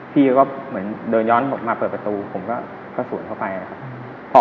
พี่ก็เหมือนเดินย้อนมาเปิดประตูผมก็กระสุนเข้าไปนะครับ